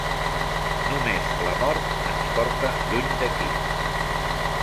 Només la mort ens porta lluny d'aquí.